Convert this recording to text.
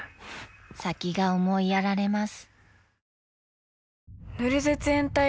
［先が思いやられます］